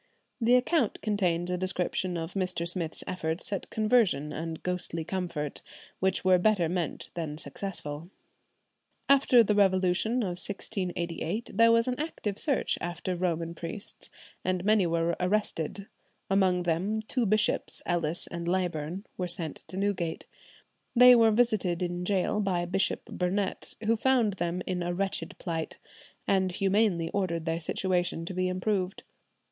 The account contains a description of Mr. Smith's efforts at conversion and ghostly comfort, which were better meant than successful. After the revolution of 1688 there was an active search after Romish priests, and many were arrested; among them two bishops, Ellis and Leyburn, were sent to Newgate. They were visited in gaol by Bishop Burnet, who found them in a wretched plight, and humanely ordered their situation to be improved.